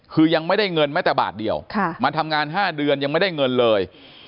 คือยังไม่ได้เงินแม้แต่บาทเดียวมาทำงาน๕เดือนยังไม่ได้เงินเลย